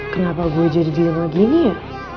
kenapa gue jadi dilema gini ya